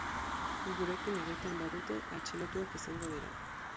Gurekin egiten badute, atxilotuak izango dira.